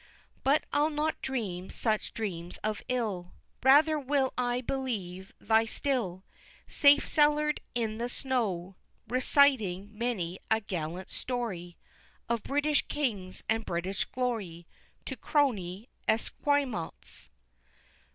XII. But I'll not dream such dreams of ill Rather will I believe thee still Safe cellar'd in the snow, Reciting many a gallant story, Of British kings and British glory, To crony Esquimaux XIII.